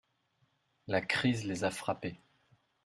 La crise les a frappé.